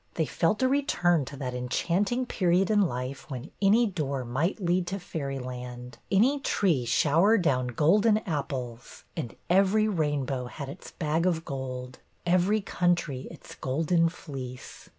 They felt a return to that enchanting period in life when any door might lead to fairy land, any tree shower down golden apples; and every rainbow had its bag of gold, every country its golden fleece.